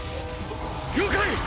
了解！！